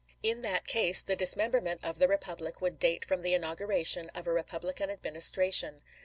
In that case the dismemberment of the republic would date from the inauguration of a Republican Adminis tration.